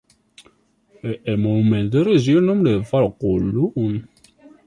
El monumento recibe el nombre de Faro a Colón.